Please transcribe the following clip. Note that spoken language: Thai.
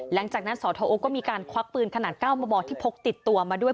หลังจากนั้นสทโอก็มีการควักปืนขนาด๙มมที่พกติดตัวมาด้วย